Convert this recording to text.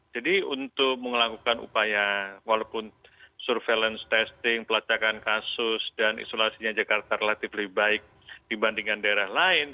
jadi untuk melakukan upaya walaupun surveillance testing pelacakan kasus dan isolasinya jakarta relatif lebih baik dibandingkan daerah lain